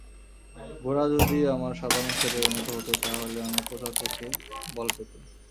গোরা যদি আমার সাধারণ ছেলের মতো হত তা হলে আমি কোথা থেকে বল পেতুম!